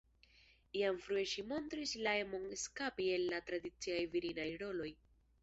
Jam frue ŝi montris la emon eskapi el la tradiciaj virinaj roloj.